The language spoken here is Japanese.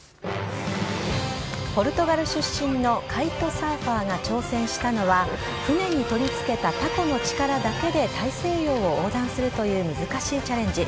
ポルトガル出身のカイトサーファーが挑戦したのは、船に取り付けたたこの力だけで大西洋を横断するという難しいチャレンジ。